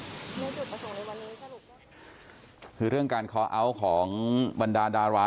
คือเรื่องการคอเอาท์ของบรรดารา